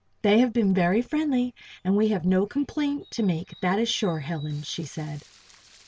"They have been very friendly and we have no complaint to make, that is sure, Helen," she said.